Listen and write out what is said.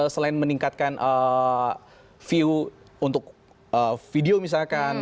selain meningkatkan view untuk video misalkan